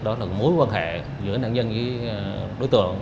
đó là mối quan hệ giữa nạn nhân với đối tượng